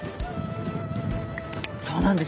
そうなんです。